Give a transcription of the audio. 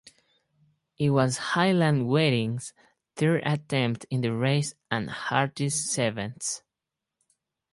It was Highland Weddings third attempt in the race and Hartys seventh.